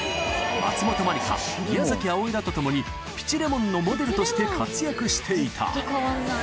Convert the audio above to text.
松本まりか、宮崎あおいらと共に、ピチレモンのモデルとして活躍していた。